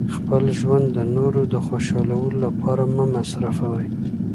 خپل ژوند د نورو د خوشحالولو لپاره مه مصرفوئ.